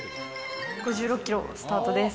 ５６キロスタートです。